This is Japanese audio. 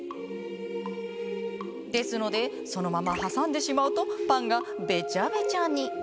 ですのでそのまま挟んでしまうとパンがベチャベチャに。